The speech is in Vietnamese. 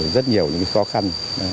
rất nhiều những khó khăn